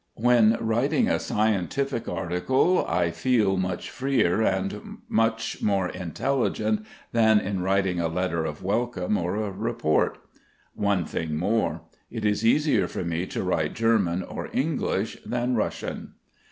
When writing a scientific article I fed much freer and much more intelligent than in writing a letter of welcome or a report. One thing more: it is easier for me to write German or English than Russian.